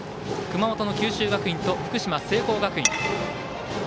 熊本、九州学院と福島、聖光学院。